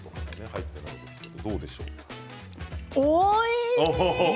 おいしい。